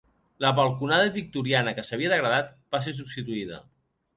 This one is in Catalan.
La balconada victoriana que s'havia degradat va ser substituïda.